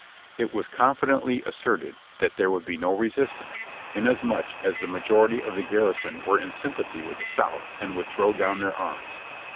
It was confidently as serted that there would be no resistance, inasmuch as the majority of the garrison were in sympathy with the South and would throw down their arms.